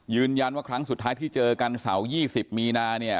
ยืนยันว่าครั้งสุดท้ายที่เจอกันเสาร์๒๐มีนา